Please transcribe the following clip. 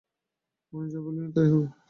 উনি যা বলিবেন তাই হইবে?